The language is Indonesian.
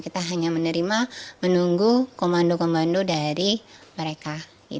kita hanya menerima menunggu komando komando dari mereka